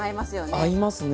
合いますね。